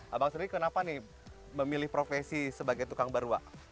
abang seri kenapa nih memilih profesi sebagai tukang baruak